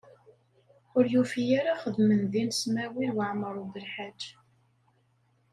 Ur yufi ara yexdem din Smawil Waɛmaṛ U Belḥaǧ.